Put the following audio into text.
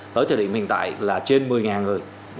tới thời điểm hiện tại là trên một mươi người